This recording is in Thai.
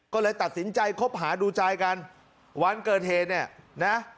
ก็เลยตัดสินใจคบหาดูใจกันวันเกิดเหตุเนี่ยนะ